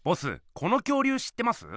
この恐竜知ってます？